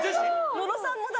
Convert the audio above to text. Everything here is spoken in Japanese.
野呂さんもだ